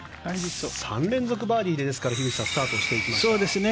３連続バーディーで樋口さんスタートしていきました。